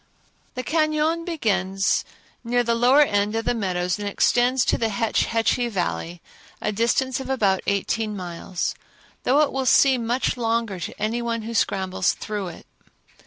The cañon begins near the lower end of the meadows and extends to the Hetch Hetchy Valley, a distance of about eighteen miles, though it will seem much longer to any one who scrambles through it.